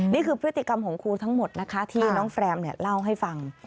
นี่คือพฤติกรรมของครูทั้งหมดนะคะที่น้องแฟรมเล่าให้ฟัง